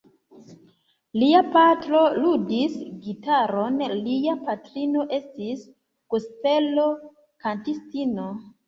Lia patro ludis gitaron, lia patrino estis gospelo-kantistino.